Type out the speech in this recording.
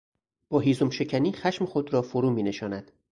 با هیزمشکنی خشم خود را فرو مینشاند.